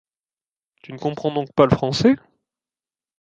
Tu ne comprends donc pas le français ?